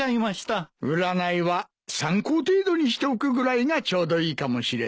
占いは参考程度にしておくぐらいがちょうどいいかもしれんな。